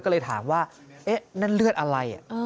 ก็เลยถามว่าเอ๊ะนั่นเลือดอะไร